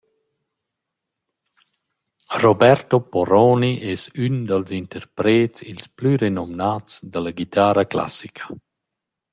Roberto Porroni es ün dals interprets ils plü renomnats da la guitarra classica.